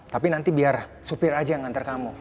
tapi nanti biar sopir aja yang nganter kamu